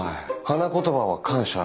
花言葉は「感謝」。